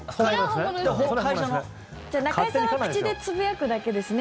じゃあ、中居さんは口でつぶやくだけですね。